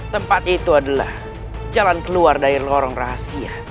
tempat itu adalah jalan keluar dari lorong rahasia